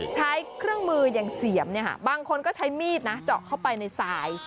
ใช้เครื่องมืออย่างเสียมบางคนก็ใช้มีดนะเจาะเข้าไปในสาย